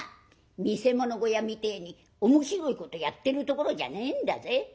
見せ物小屋みてえに面白いことやってるところじゃねえんだぜ。